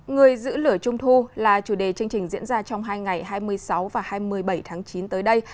người giữ lửa trung thu là chủ đề chương trình diễn ra trong hai ngày hai mươi sáu và hai mươi bảy tháng chín tới đây